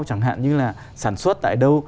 chẳng hạn như là sản xuất tại đâu